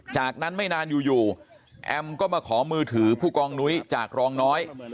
จากนั้นไม่นานอยู่แอมก็มาขอมือถือผู้กองนุ้ยจากรองน้อย